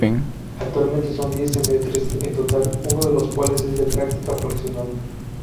Actualmente, son diez semestres en total, uno de los cuales es de práctica profesional.